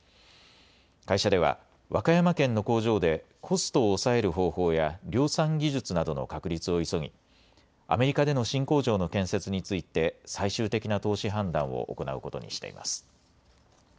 会社では和歌山県の工場でコストを抑える方法や量産技術などの確立を急ぎ、アメリカでの新工場の建設について最終的な投資判断を行うことにしています。